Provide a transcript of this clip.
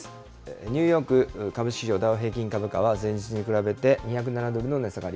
ニューヨーク株式市場ダウ平均株価は前日に比べて２０７ドルの値下がり。